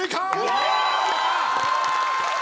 やったー！